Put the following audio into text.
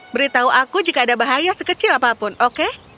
beritahu aku jika ada bahaya sekecil apapun oke